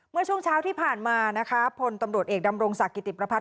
เมื่อช่วงเช้าที่ผ่านมานะคะพลตำรวจเอกดำรงศักดิติประพัฒ